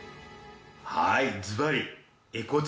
はい！